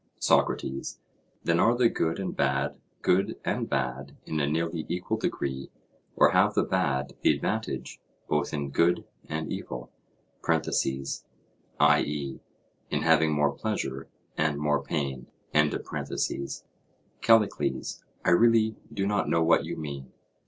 SOCRATES: Then are the good and bad good and bad in a nearly equal degree, or have the bad the advantage both in good and evil? (i.e. in having more pleasure and more pain.) CALLICLES: I really do not know what you mean.